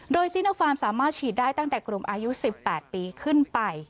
โดยซิโนฟาร์มสามารถฉีดได้ตั้งแต่กลุ่มอายุ๑๘ปีขึ้นไป